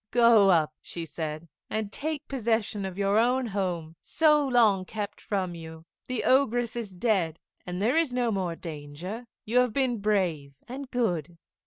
"Go up," she said, "and take possession of your own home, so long kept from you. The Ogress is dead, and there is no more danger. You have been brave and good.